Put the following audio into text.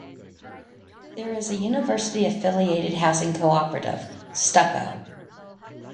There is a university-affiliated housing cooperative, Stucco.